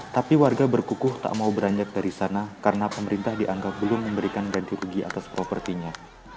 tapi warga berkukuh tak mau beranjak dari sana karena pemerintah dianggap belum memberikan ganti rugi atas propertinya